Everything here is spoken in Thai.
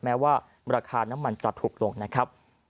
แม้ว่าราคาน้ำมันจะถูกลงนะครับ